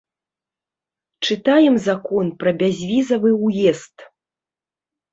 Чытаем закон пра бязвізавы ўезд.